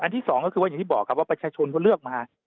ที่สองก็คือว่าอย่างที่บอกครับว่าประชาชนเขาเลือกมา